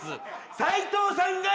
斎藤さん